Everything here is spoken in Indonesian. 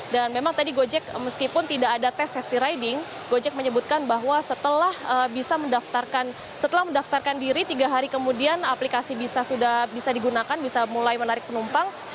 dan memang tadi gojek meskipun tidak ada tes safety riding gojek menyebutkan bahwa setelah bisa mendaftarkan setelah mendaftarkan diri tiga hari kemudian aplikasi bisa sudah bisa digunakan bisa mulai menarik penumpang